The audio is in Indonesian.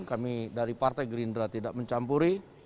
kami dari partai gerindra tidak mencampuri